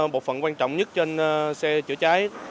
bộ phận quan trọng nhất trên xe chữa chảy